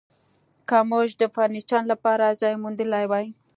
که موږ د فرنیچر لپاره ځای موندلی وای